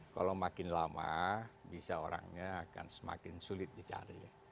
kalau makin lama bisa orangnya akan semakin sulit dicari